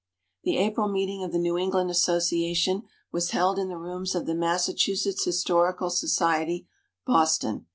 The April meeting of the New England Association was held in the rooms of the Massachusetts Historical Society, Boston.